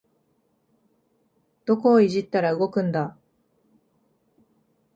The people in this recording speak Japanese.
どこをいじったら動くんだ